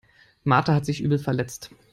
Martha hat sich übel verletzt.